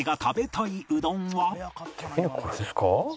これですか？